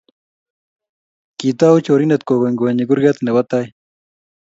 kiitou chorindet ku konykony kurget nebo tai